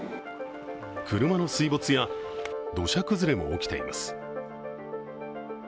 車の水没や土砂崩れも起きています。